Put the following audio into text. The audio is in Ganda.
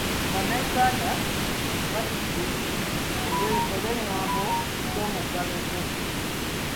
Bannayuganda batidde olw'engambo z'omuggalo ogw'okubiri.